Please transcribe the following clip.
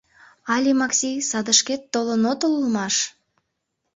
Але, Макси, садышкет толын отыл улмаш?